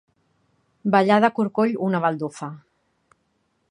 Ballar de corcoll una baldufa.